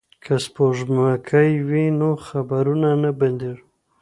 که سپوږمکۍ وي نو خپرونه نه بندیږي.